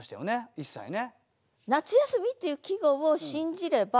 一切ね。